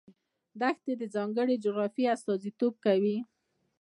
دښتې د ځانګړې جغرافیې استازیتوب کوي.